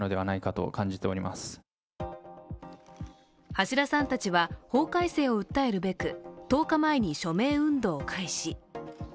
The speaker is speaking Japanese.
橋田さんたちは法改正を訴えるべく１０日前に署名運動を開始。